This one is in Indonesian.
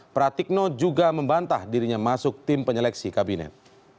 pratikno juga membantah dirinya masuk tim penyeleksi kabinet